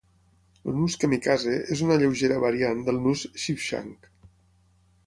El nus kamikaze és una lleugera variant del nus sheepshank.